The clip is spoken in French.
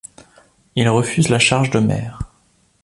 Il refuse la charge de maire.